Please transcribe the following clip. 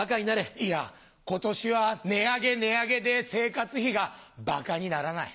いや今年は値上げ値上げで生活費がばかにならない。